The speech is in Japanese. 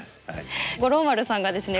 五郎丸さんがですね